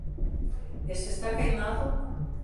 E se está queimado?